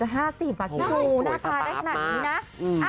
โหโหโหโหสตาร์ฟมากหน้าชายได้ขนาดนี้นะ